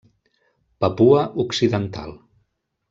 Papua Occidental.